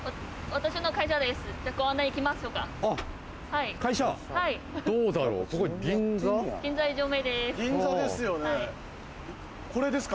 私の会社です。